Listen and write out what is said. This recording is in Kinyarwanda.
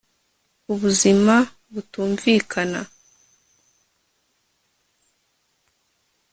Ubuzima butumvikana